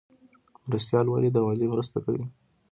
مرستیال والی د والی مرسته کوي